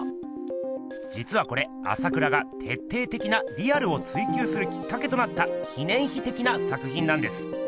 じつはこれ朝倉が徹底的なリアルを追求するきっかけとなった記念碑的な作品なんです。